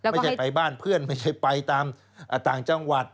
ไม่ใช่ไปบ้านเพื่อนไม่ใช่ไปตามต่างจังหวัด